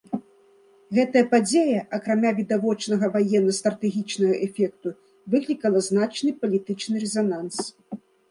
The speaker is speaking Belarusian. Гэтая падзея, акрамя відавочнага ваенна-стратэгічнага эфекту, выклікала значны палітычны рэзананс.